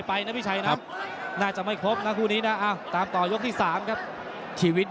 มั่นใจยังมั่นใจอยู่นะยังมั่นใจอยู่